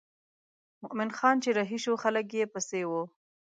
مومن خان چې رهي شو خلک یې پسې وو.